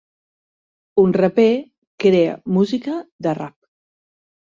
Un raper crea música de rap.